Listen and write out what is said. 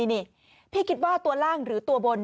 ใช่ค่ะนี่ที่คิดว่าตัวล่างหรือตัวบน